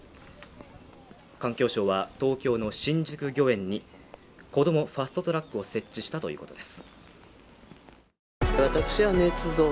環境省は東京の新宿御苑にこどもファスト・トラックを設置したということです。